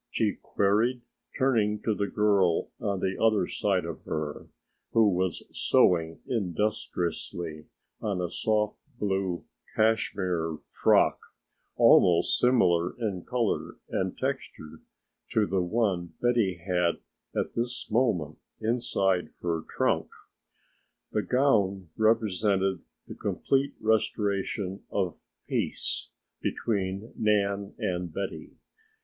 she queried, turning to the girl on the other side of her who was sewing industriously on a soft blue cashmere frock, almost similar in color and texture to the one Betty had at this moment inside her trunk. The gown represented the complete restoration of peace between Nan and Betty.